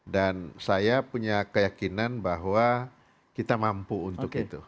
dan saya punya keyakinan bahwa kita mampu untuk itu